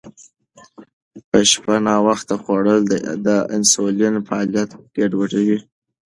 په شپه ناوخته خوړل د انسولین فعالیت ګډوډوي.